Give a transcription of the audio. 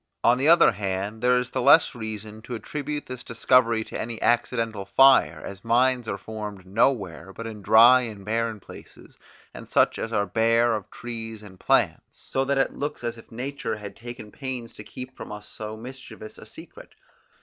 On the other hand, there is the less reason to attribute this discovery to any accidental fire, as mines are formed nowhere but in dry and barren places, and such as are bare of trees and plants, so that it looks as if nature had taken pains to keep from us so mischievous a secret.